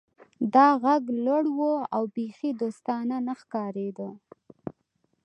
دا غږ لوړ و او بیخي دوستانه نه ښکاریده